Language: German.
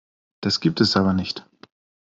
Das gibt es aber nicht!